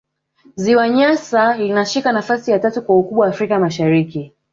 ziwa nyasa linashika nafasi ya tatu kwa ukubwa afrika mashariki